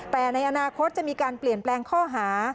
แต่ในอนาคตจะมีการเปลี่ยนแปลงข้อหา